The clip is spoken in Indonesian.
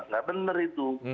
tidak benar itu